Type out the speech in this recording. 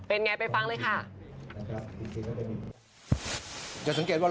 เป็นอย่างไรไปฟังเลยค่ะ